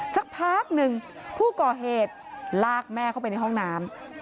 สักพักหนึ่งผู้ก่อเหตุลากแม่เข้าไปในห้องน้ำ